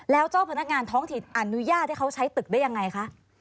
แล้วเจ้าพนักงานท้องถิ่นอนุญาตให้เขาใช้ตึกได้ยังไงคะ